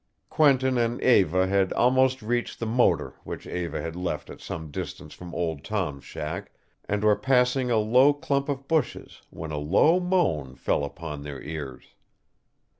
Quentin and Eva had almost reached the motor which Eva had left at some distance from Old Tom's shack, and were passing a low clump of bushes, when a low moan fell upon their ears.